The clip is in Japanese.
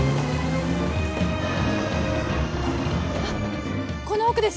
あっこの奥です。